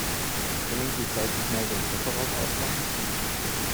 Können Sie vielleicht mal den Kofferraum aufmachen?